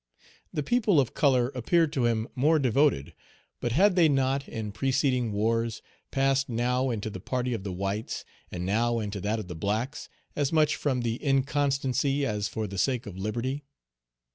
The people of color appeared to him more devoted, but had they not, in preceding wars, passed now into the party of the whites, and now into that of the blacks, as much from inconstancy as for the sake of liberty?